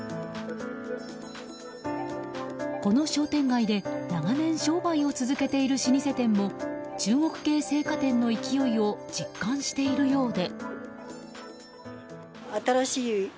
この商店街で長年商売を続けている老舗店も中国系青果店の勢いを実感しているようで。